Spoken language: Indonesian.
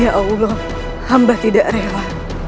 ya allah hamba tidak rela